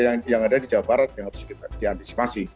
yang ada di jawa barat yang harus diantisipasi